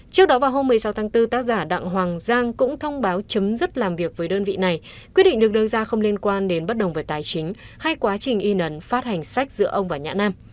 trước đó vào hôm một mươi sáu tháng bốn tác giả đặng hoàng giang cũng thông báo chấm dứt làm việc với đơn vị này quyết định được đưa ra không liên quan đến bất đồng về tài chính hay quá trình in ấn phát hành sách giữa ông và nhã nam